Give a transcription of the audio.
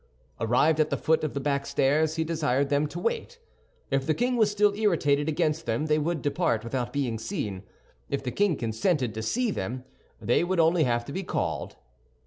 Arrived at the foot of the back stairs, he desired them to wait. If the king was still irritated against them, they would depart without being seen; if the king consented to see them, they would only have to be called.